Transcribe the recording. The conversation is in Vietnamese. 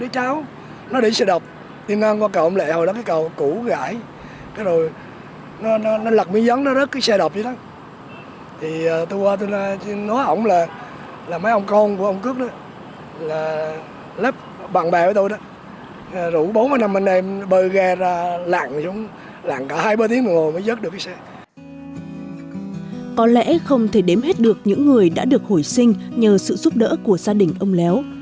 có lẽ không thể đếm hết được những người đã được hồi sinh nhờ sự giúp đỡ của gia đình ông léo